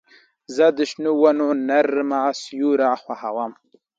زه د شنو ونو نرمه سیوري خوښوم.